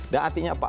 dan artinya apa